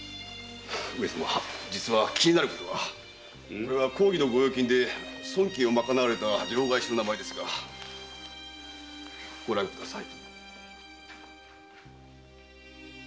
これは公儀の御用金で損金を賄われた両替商の名前ですがご覧ください。